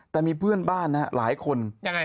แต่มีเพื่อนบ้านหลายคน